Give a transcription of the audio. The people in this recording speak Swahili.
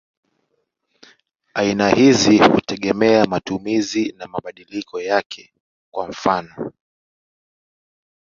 Aina hizi hutegemea matumizi na mabadiliko yake; kwa mfano.